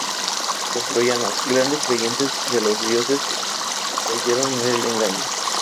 Los troyanos, grandes creyentes en los dioses, cayeron en el engaño.